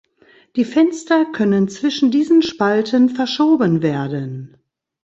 Die Fenster können zwischen diesen Spalten verschoben werden.